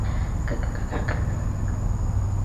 Anderson studied drama at the University of Texas.